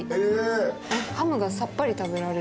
ハムがさっぱり食べられるから。